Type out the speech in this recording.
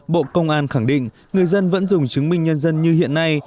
bộ công an khẳng định người dân vẫn dùng chứng minh nhân dân như hiện nay